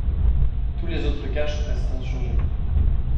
Tous les autres caches restent inchangés.